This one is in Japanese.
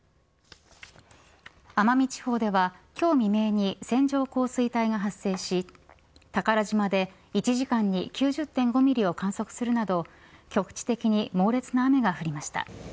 奄美地方では今日未明に線状降水帯が発生し宝島で１時間に９０．５ミリを観測するなど局地的に猛烈な雨が降りました。